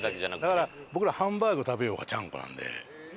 だから僕らハンバーグ食べようがちゃんこなんで。